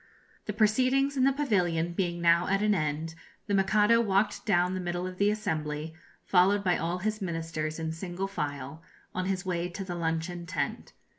The proceedings in the pavilion being now at an end, the Mikado walked down the middle of the assembly, followed by all his Ministers in single file, on his way to the luncheon tent.